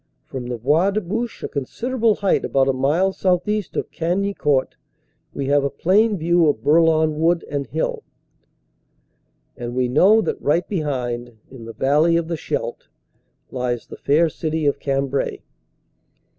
From the Bois de Bouche, a considerable height about a mile southeast of Cagni court, we have a plain view of Bourlon Wood and hill, and we know that right behind, in the valley of the Scheldt, lies the fair city of Cambrai.